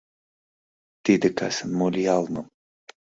Тиде касын мо лиялмым